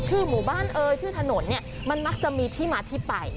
หมู่บ้านเอ่ยชื่อถนนเนี่ยมันมักจะมีที่มาที่ไป